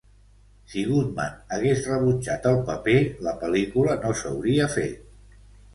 Si Goodman hagués rebutjat el paper, la pel·lícula no s'hauria fet.